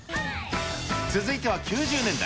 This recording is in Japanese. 続いては９０年代。